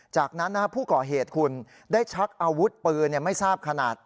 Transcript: จากนั้นผู้ก่อเหตุคุณได้ชักอาวุธปืนไม่ทราบขนาด